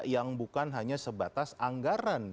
yang bukan hanya sebatas anggaran